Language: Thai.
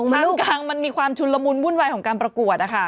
ทางกลางมันมีความชุนละมุนวุ่นวายของการประกวดนะคะ